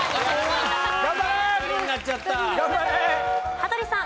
羽鳥さん。